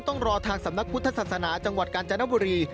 ต้องรอทางสำนักพุทธศาสนาจังหวัดกาญจนบุรี